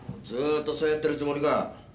ずっとそうやってるつもりか。